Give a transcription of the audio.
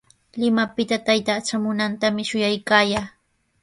Limapita taytaa traamunantami shuyaykaayaa.